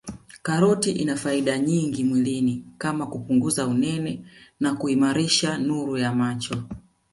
Karoti ina faida nyingi mwilini kama kupunguza unene na kuimarisha nuru ya macho